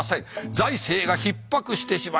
財政がひっ迫してしまいます」。